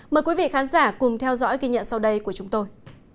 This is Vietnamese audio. mời quý vị khán giả cùng theo dõi kỳ nhận sau đây của chúng tôi